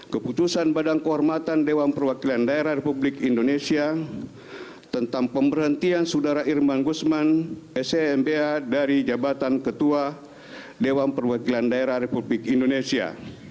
keputusan badan kehormatan dewan perwakilan daerah republik indonesia tentang pemberhentian saudara irman gusman semba dari jabatan ketua dewan perwakilan daerah republik indonesia